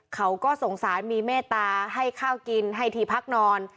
เขาก็สงสารมีเมตตาให้ข้าวกินให้ที่พักนอน